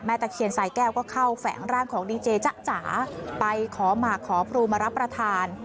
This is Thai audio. ตะเคียนสายแก้วก็เข้าแฝงร่างของดีเจจ๊ะจ๋าไปขอหมากขอพรูมารับประทาน